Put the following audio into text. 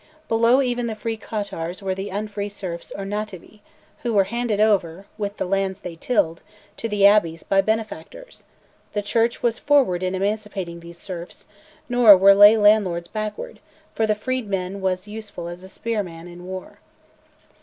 Below even the free cottars were the unfree serfs or nativi, who were handed over, with the lands they tilled, to the abbeys by benefactors: the Church was forward in emancipating these serfs; nor were lay landlords backward, for the freed man was useful as a spear man in war.